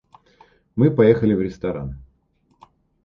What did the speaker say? Мы поехали в ресторан.